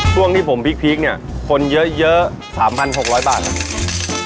ช่วงที่ผมพีคเนี่ยคนเยอะสามพันหกร้อยบาท